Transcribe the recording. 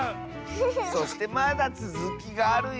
そしてまだつづきがあるよ！